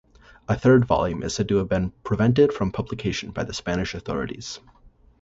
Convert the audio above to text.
A third volume is said to have been prevented from publication by Spanish authorities.